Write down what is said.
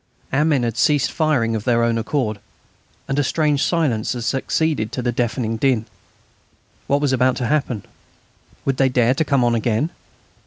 Our men had ceased firing of their own accord, and a strange silence had succeeded to the deafening din. What was about to happen? Would they dare to come on again?